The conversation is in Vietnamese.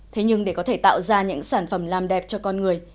thế nhưng để có thể tạo ra những sản phẩm làm đẹp cho con người